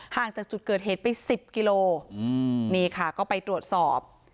ห่างจากจุดเกิดเหตุไป๑๐กิโลนี่ค่ะก็ไปตรวจสอบ